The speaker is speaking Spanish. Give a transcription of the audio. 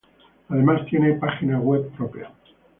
Además, tiene página web propia.